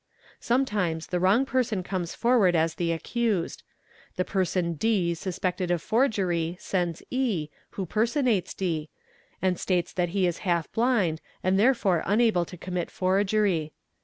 sometimes the wrong person comes forward as the accused. The person D suspected of forgery sends E, who personates D, and states that he shalf blind and therefore unable to commit forgery.